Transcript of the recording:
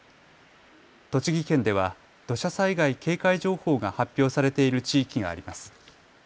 栃木県では土砂災害警戒情報が発表されている地域があります。